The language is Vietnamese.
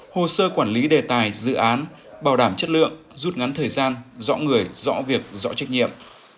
hồ sơ quản lý đề tài dự án bảo đảm chất lượng rút ngắn thời gian rõ người rõ việc rõ trách nhiệm